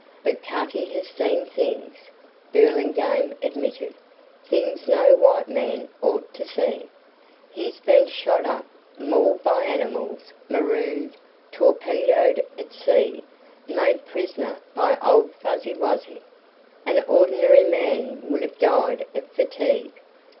But Cutty has seen things," Burlingame admitted; "things no white man ought to see. He's been shot up, mauled by animals, marooned, torpedoed at sea, made prisoner by old Fuzzy Wuzzy. An ordinary man would have died of fatigue.